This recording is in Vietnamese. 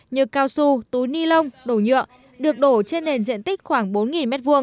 như cao su túi ni lông đổ nhựa được đổ trên nền diện tích khoảng bốn m hai